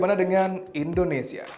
bagaimana dengan indonesia